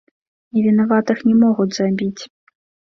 Невінаватых не могуць забіць!